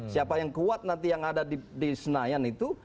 siapa yang kuat nanti yang ada di senayan itu